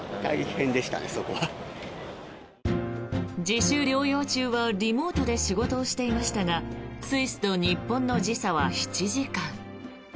自主療養中はリモートで仕事をしていましたがスイスと日本の時差は７時間。